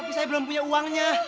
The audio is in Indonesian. tapi saya belum punya uangnya